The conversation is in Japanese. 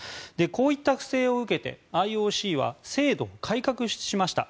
こういった不正を受けてＩＯＣは制度を改革しました。